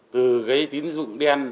từ cái tín dụng đen